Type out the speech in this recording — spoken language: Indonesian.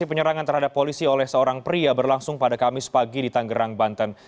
penyerangan terhadap polisi oleh seorang pria berlangsung pada kamis pagi di tanggerang banten